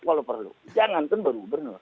kalau perlu jangan kan baru